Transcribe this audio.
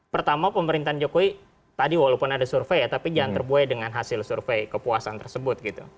pertama pemerintahan jokowi tadi walaupun ada survei ya tapi jangan terbuai dengan hasil survei kepuasan tersebut gitu